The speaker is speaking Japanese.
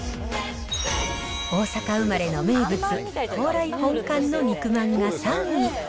大阪生まれの名物、蓬莱本館の肉まんが３位。